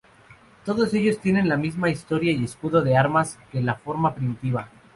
Todos ellos tienen la misma historia y escudo de armas que la forma primitiva.